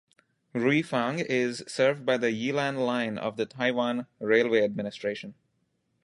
Ruifang is served by the Yilan Line of the Taiwan Railway Administration.